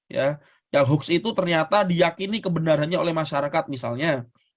ya yang hoax itu ternyata diyakini kebenarannya oleh masyarakat misalnya